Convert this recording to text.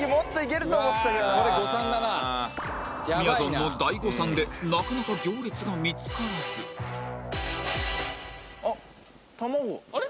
みやぞんの大誤算でなかなか行列が見つからずあれ？